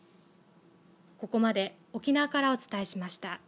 ここまで沖縄からお伝えしました。